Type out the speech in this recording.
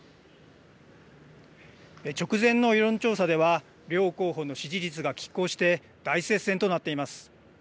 直前の世論調査では両候補の支持率が、きっ抗して大接戦となっています。